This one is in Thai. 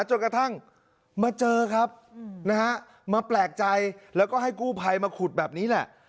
จนกระทั่งมาเจอครับนะฮะมาแปลกใจแล้วก็ให้กู้ภัยมาขุดแบบนี้แหละ